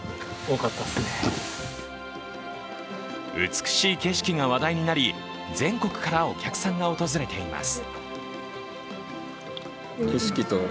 美しい景色が話題になり、全国からお客さんが訪れています。